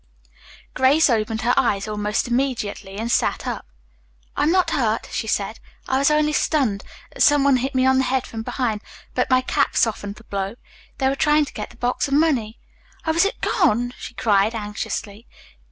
Grace opened her eyes almost immediately and sat up. "I'm not hurt," she said. "I was only stunned. Some one hit me on the head from behind, but my cap softened the blow. They were trying to get the box of money. Oh, is it gone?" she cried anxiously.